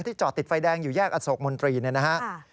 ที่จอดติดไฟแดงอยู่แยกอสกมนตรีนะฮะ